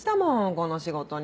この仕事に。